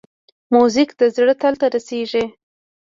موزیک د زړه تل ته رسېږي.